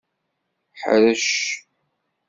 Ḥrec!